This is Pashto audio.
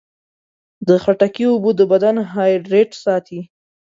د خټکي اوبه د بدن هایډریټ ساتي.